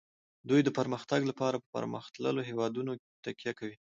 دوی د پرمختګ لپاره په پرمختللو هیوادونو تکیه کوي